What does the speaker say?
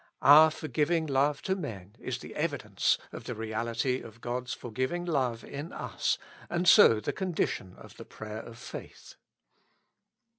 Our forgiving love to men is the evi dence of the reality of God's forgiving love in us, and so the condition of the prayer of faith.